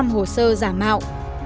một tám trăm linh hồ sơ giả mạo